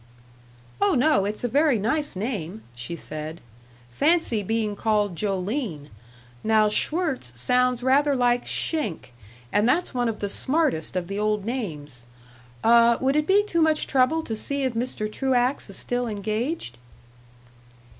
"Oh no, it's a very nice name," she said. "Fancy being called Joline. Now Schwirtz sounds rather like Schenck, and that's one of the smartest of the old names.... Uh, would it be too much trouble to see if Mr. Truax is still engaged?"